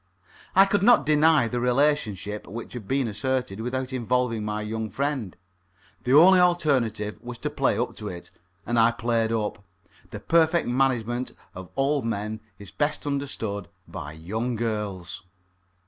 I could not deny the relationship which had been asserted, without involving my young friend. The only alternative was to play up to it, and I played up. The perfect management of old men is best understood by young girls.